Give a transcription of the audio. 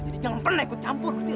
jadi jangan pernah ikut campur ngerti lo